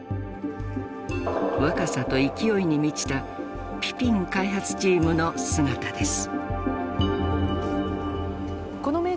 若さと勢いに満ちたピピン開発チームの姿です。